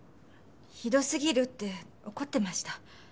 ひどすぎるって怒ってました。